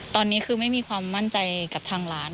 ตอนนี้คือไม่มีความมั่นใจกับทางร้าน